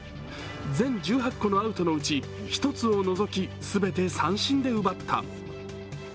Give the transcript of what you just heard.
全１８個のアウトのうち、１つを除きすべて三振で奪った。